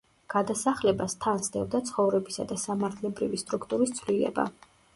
გადასახლებას თან სდევდა ცხოვრებისა და სამართლებრივი სტრუქტურის ცვლილება.